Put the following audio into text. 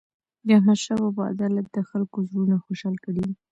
د احمدشاه بابا عدالت د خلکو زړونه خوشحال کړي وو.